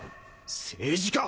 政治家！